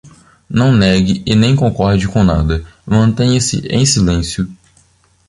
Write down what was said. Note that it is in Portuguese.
Não negue e nem concorde com nada, mantenha-se em silêncio